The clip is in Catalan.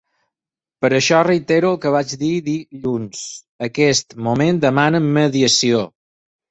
Per això reitero el que ja vaig dir dilluns: aquest moment demana mediació.